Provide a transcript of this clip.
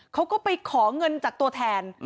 เขาก็ไปขอเงินจากตัวแทน